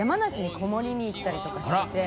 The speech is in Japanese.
こもりに行ったりとかしてて。